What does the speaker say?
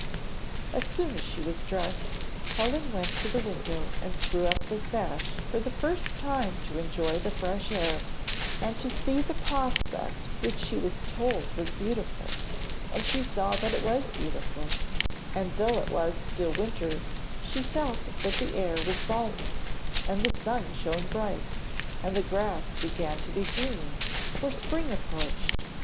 As soon as she was dressed, Helen went to the window and threw up the sash for the first time to enjoy the fresh air, and to see the prospect which she was told was beautiful; and she saw that it was beautiful, and, though it was still winter, she felt that the air was balmy; and the sun shone bright, and the grass began to be green, for spring approached.